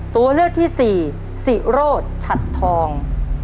ตัวเลือกที่สี่สิโรธฉัดทอง